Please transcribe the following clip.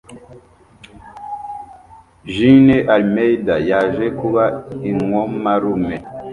June Almeida yaje kuba inkomarume